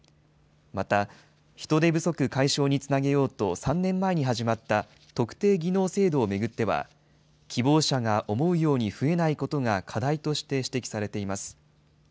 また、人手不足解消につなげようと、３年前に始まった特定技能制度を巡っては、希望者が思うように増えないことが課題として指摘されています。